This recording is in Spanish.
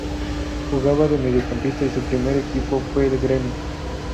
Jugaba de mediocampista y su primer equipo fue el Grêmio.